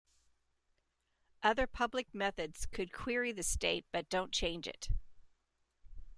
Other public methods could query the state but don't change it.